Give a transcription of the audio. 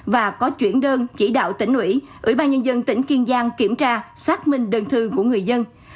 và có chuyển đơn chỉ đạo tỉnh ủy ủy ban nhân dân tỉnh kiên giang kiểm tra xác minh đơn thư của người dân